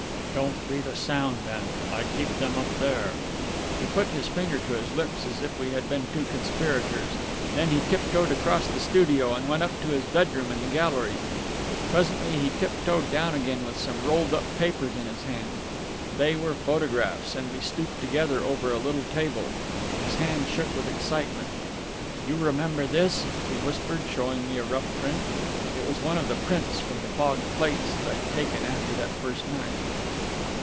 "Don't breathe a sound then! I keep them up there...." He put his finger to his lips as if we had been two conspirators; then he tiptoed across the studio and went up to his bedroom in the gallery. Presently he tiptoed down again, with some rolled up papers in his hand. They were photographs, and we stooped together over a little table. His hand shook with excitement. "You remember this?" he whispered, showing me a rough print. It was one of the prints from the fogged plates that I'd taken after that first night.